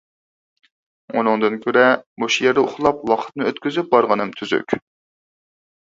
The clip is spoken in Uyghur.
ئۇنىڭدىن كۆرە مۇشۇ يەردە ئۇخلاپ ۋاقىتنى ئۆتكۈزۈپ بارغىنىم تۈزۈك.